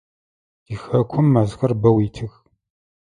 Тихэкум мэзхэр бэу итых.